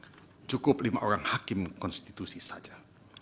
dan cukup lima orang hakim konstitusi saja